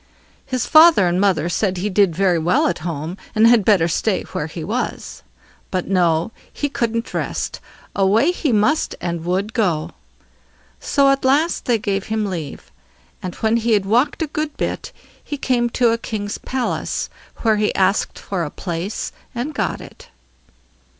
His father and mother said he did very well at home, and had better stay where he was. But no, he couldn't rest; away he must and would go. So at last they gave him leave. And when he had walked a good bit, he came to a king's palace, where he asked for a place, and got it.